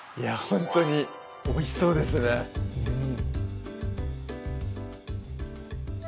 ほんとにおいしそうですねうん